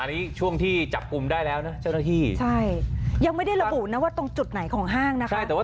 อันนี้ช่วงที่จับกลุ่มได้แล้วนะเจ้าหน้าที่ใช่ยังไม่ได้ระบุนะว่าตรงจุดไหนของห้างนะคะ